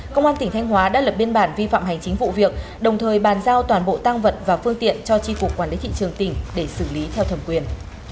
công an tỉnh thanh hóa đã lập biên bản vi phạm hành chính vụ việc đồng thời bàn giao toàn bộ tăng vật và phương tiện cho chi cục quản lý thị trường tỉnh để xử lý theo thẩm quyền